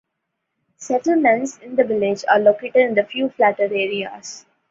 Settlements in the village are located in the few flatter areas.